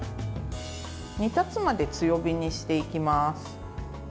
煮立つまで強火にしていきます。